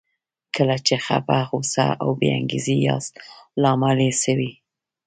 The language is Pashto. کله چې خپه، غوسه او بې انګېزې ياست لامل يې څه وي؟